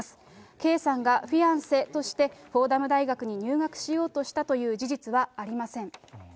圭さんがフィアンセとしてフォーダム大学に入学しようとしたという事実はありません。